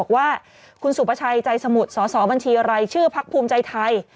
ว่าคุณสุปชัยใจสมุทรสบัญชีอะไรชื่อพภูมิใจไทย